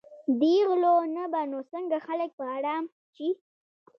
دې غلو نه به نو څنګه خلک په آرام شي.